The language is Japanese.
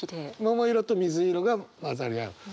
桃色と水色が混ざり合う。